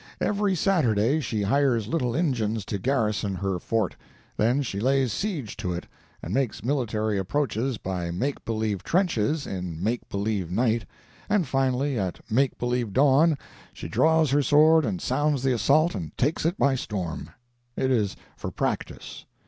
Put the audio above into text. "Every Saturday she hires little Injuns to garrison her fort; then she lays siege to it, and makes military approaches by make believe trenches in make believe night, and finally at make believe dawn she draws her sword and sounds the assault and takes it by storm. It is for practice.